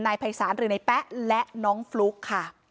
นายภัยศาสตร์หรือในแป๊ะและน้องฟลุ๊กค่ะ